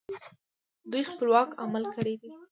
دوی خپلواک عمل کړی دی